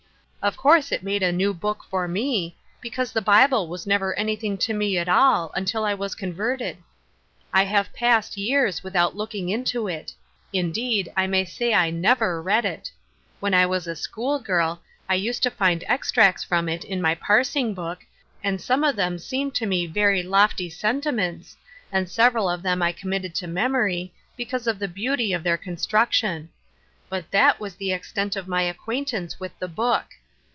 Of course it made a new book for me^ because the Bible was never anything to me at all, until I was converted. I have passed years without looking into it ; indeed, I may say I never read it. When I was a school girl, I used to find ex tracts from it in my parsing book, and some of them seemed to me very lofty sentiments, and several of them I committed to memory, because of the beauty of their construction; but that was the extent of my acquaintance with the book.